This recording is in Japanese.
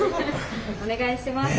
お願いします。